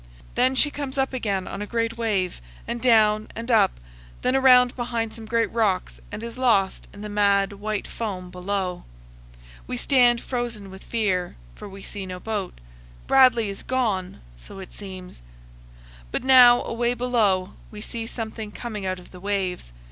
Then she comes up again on a great wave, and down and up, then around behind some great rocks, and is lost in the mad, white foam below. We stand frozen with fear, for we see no boat. Bradley is gone! so it seems. But now, away below, we see something coming out of the waves.